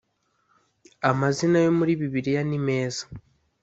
amazina yo muri Bibiliya ni meza